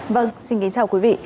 vâng xin kính chào quý vị